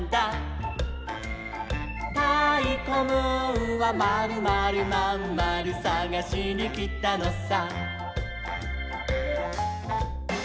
「たいこムーンはまるまるまんまるさがしにきたのさ」